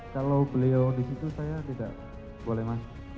kalau beliau disitu saya tidak boleh masuk